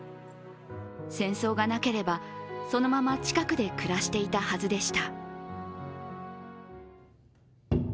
戦争がなければ、そのまま近くで暮らしていたはずでした。